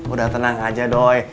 udah tenang aja doi